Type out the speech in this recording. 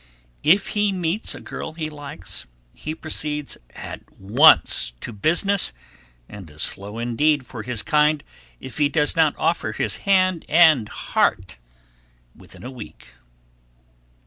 If he meets a girl he likes, he proceeds at once to business and is slow indeed for his kind if he does not offer his hand and heart within a week.